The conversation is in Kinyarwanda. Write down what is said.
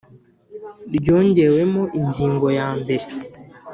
ryongewemo ingingo ya mbere.